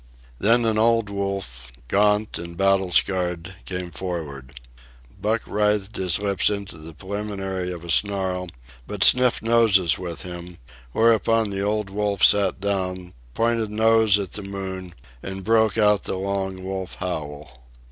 Then an old wolf, gaunt and battle scarred, came forward. Buck writhed his lips into the preliminary of a snarl, but sniffed noses with him, Whereupon the old wolf sat down, pointed nose at the moon, and broke out the long wolf howl.